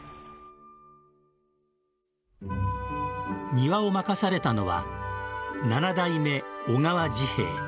庭を任されたのは七代目小川治兵衛